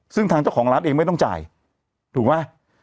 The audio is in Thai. ซึ่งทางเจ้าของร้านเองไม่ต้องจ่ายถูกไหม